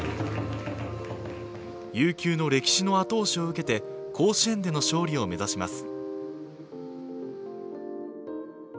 悠久の歴史の後押しを受けて甲子園での勝利を目指します。